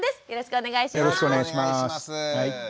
よろしくお願いします。